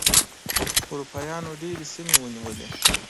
اروپایانو ډېرې سیمې ونیولې.